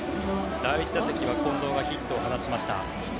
第１打席は近藤がヒットを放ちました。